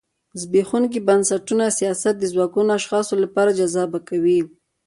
زبېښونکي بنسټونه سیاست د ځواکمنو اشخاصو لپاره جذابه کوي.